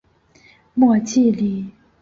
莫济里。